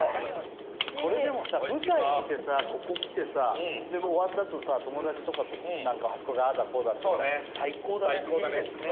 これでもさ舞台見てさここ来てさで終わったあとさ友だちとかと何かあそこがあーだこーだって言ったら最高だねいいですね